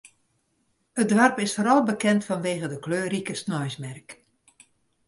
It doarp is foaral bekend fanwege de kleurrike sneinsmerk.